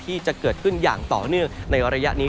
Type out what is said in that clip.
ที่จะเกิดขึ้นอย่างต่อเนื่องในระยะนี้